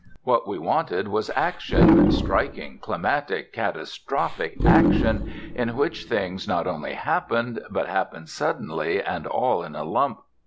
What we wanted was action striking, climatic, catastrophic action, in which things not only happened, but happened suddenly and all in a lump.